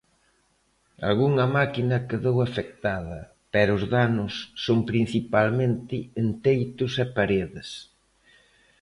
Algunha máquina quedou afectada, pero os danos son principalmente en teitos e paredes.